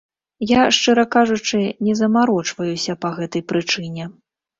Я, шчыра кажучы, не замарочваюся па гэтай прычыне.